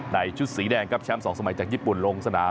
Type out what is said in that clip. ในชุดสีแดงช้อมสองสมัยจากญี่ปุ่นลงสนาม